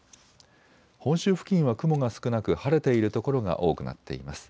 本州付近は雲が少なく晴れている所が多くなっています。